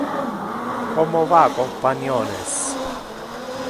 Como va companiones?